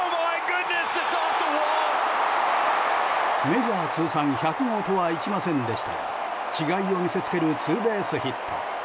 メジャー通算１００号とはいきませんでしたが違いを見せつけるツーベースヒット。